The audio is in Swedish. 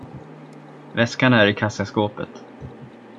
Väskan är i kassaskåpet.